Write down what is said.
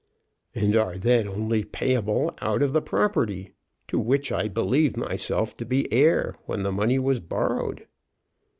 "And are then only payable out of the property to which I believed myself to be heir when the money was borrowed."